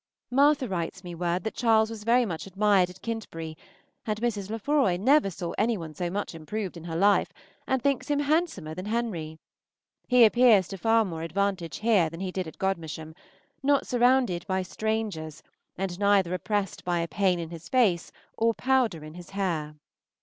Martha writes me word that Charles was very much admired at Kintbury, and Mrs. Lefroy never saw any one so much improved in her life, and thinks him handsomer than Henry. He appears to far more advantage here than he did at Godmersham, not surrounded by strangers and neither oppressed by a pain in his face or powder in his hair.